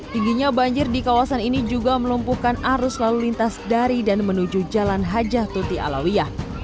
tingginya banjir di kawasan ini juga melumpuhkan arus lalu lintas dari dan menuju jalan hajah tuti alawiah